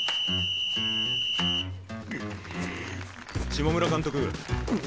下村監督。